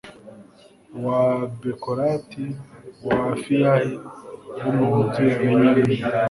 wa bekorati, wa afiyahi, wo mu nzu ya benyamini